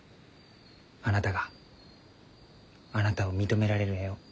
あなたがあなたを認められる絵を。